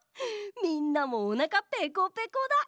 みんなもおなかペコペコだ。